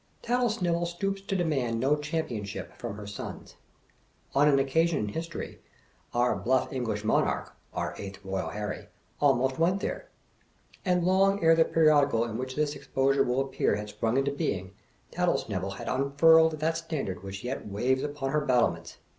Tattlesnivel stoops to demand no championship from her sons. On an occasion in History, our bluff British mon arch, our Eighth Eoyal Harry, almost went there. And long ere the periodical in which this exposure will appear had sprung into beiug, Tattlesnivel had unfurled that stand ard which yet waves upon her battlements.